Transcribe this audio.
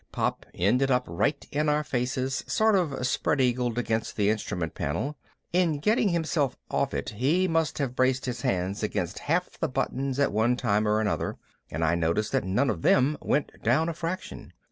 Pop ended up right in our faces, sort of spread eagled against the instrument panel. In getting himself off it he must have braced his hands against half the buttons at one time or another and I noticed that none of them went down a fraction.